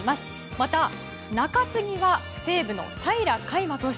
また中継ぎは西武の平良海馬投手。